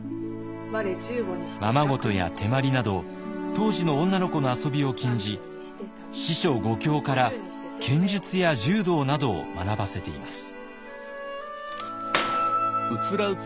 ままごとや手まりなど当時の女の子の遊びを禁じ四書五経から剣術や柔道などを学ばせています。